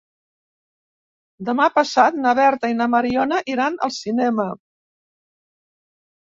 Demà passat na Berta i na Mariona iran al cinema.